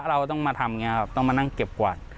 เราต้องมาทำอย่างนี้ครับต้องมานั่งเก็บกวาด